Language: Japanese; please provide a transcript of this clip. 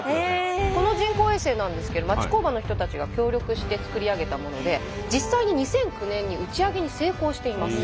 この人工衛星なんですけど町工場の人たちが協力して作り上げたもので実際に２００９年に打ち上げに成功しています。